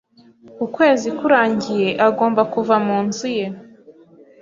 Ukwezi kurangiye agomba kuva mu nzu ye.